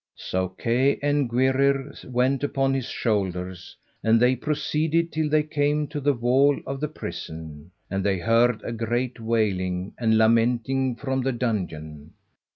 So Kay and Gwrhyr went upon his shoulders, and they proceeded till they came to the wall of the prison, and they heard a great wailing and lamenting from the dungeon.